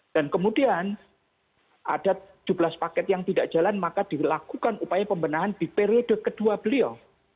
dan kemudian ada tujuh belas paket yang tidak jalan maka dilakukan upaya pembenahan di periode kedua beliau